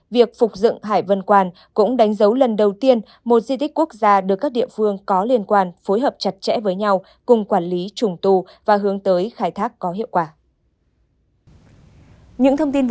việc phục dựng hải vân quan cũng đánh dấu lần đầu tiên một di tích quốc gia được các địa phương có liên quan phối hợp chặt chẽ với nhau cùng quản lý trùng tu và hướng tới khai thác có hiệu quả